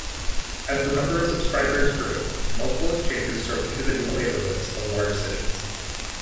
As the number of subscribers grew, multiple exchanges served individual neighborhoods of large cities.